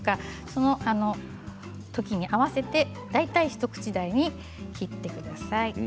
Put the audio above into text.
そのときに合わせて大体一口大に切ってください。